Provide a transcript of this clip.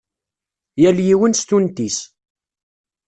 Yal yiwen s tunt-is.